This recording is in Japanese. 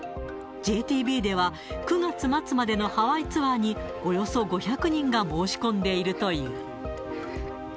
ＪＴＢでは、９月末までのハワイツアーに、およそ５００人が申し込んでいるという。